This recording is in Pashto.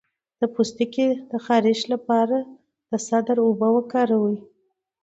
د پوستکي خارښ لپاره د سدر اوبه وکاروئ